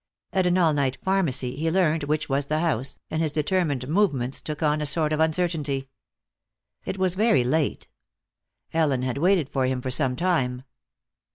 At an all night pharmacy he learned which was the house, and his determined movements took on a sort of uncertainty. It was very late. Ellen had waited for him for some time.